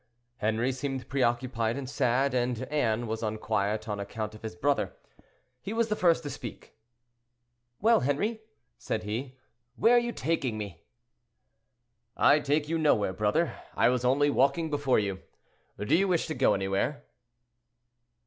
Henri seemed preoccupied and sad, and Anne was unquiet on account of his brother. He was the first to speak. "Well, Henri," said he, "where are you taking me?" "I take you nowhere, brother; I was only walking before you. Do you wish to go anywhere?"